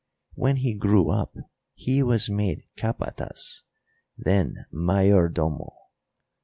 When he grew up he was made capatas, then _mayordomo.